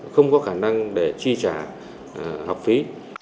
không có khả năng để chi trả học phí